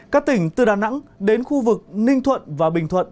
các tỉnh từ đà nẵng đến khu vực ninh thuận và bình thuận